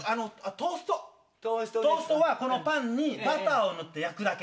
トーストはこのパンにバターを塗って焼くだけ。